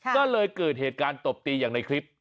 ก็เลยเกิดเหตุการณ์ตบตีอย่างในคลิป